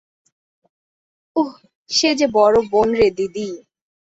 উঃ, সে যে বড় বন রে দিদি!